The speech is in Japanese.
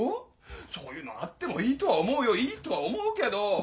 そういうのあってもいいとは思うよいいとは思うけど。